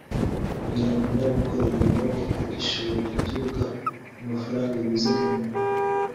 kugira ngo n’abikorera babone igishoro gituruka mu mafaranga yazigamwe